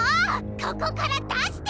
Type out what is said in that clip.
ここから出して！